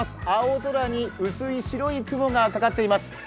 青空に薄い白い雲がかかっています。